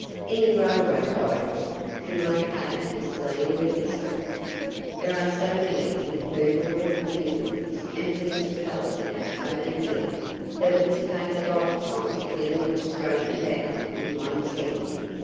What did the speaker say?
Any railroad guide book can locate this land of mystery. There are so many infernal little kingdoms and principalities over here that it would take a lifetime to get 'em all straightened out in one's head.